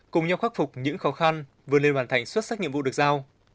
cùng nhau khắc phục những khó khăn vừa nên hoàn thành xuất sắc nhiệm vụ được giao